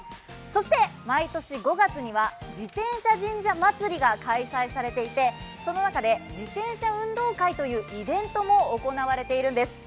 そして、毎年５月には自転車神社祭が開催されていてその中で自転車運動会というイベントも行われているんです。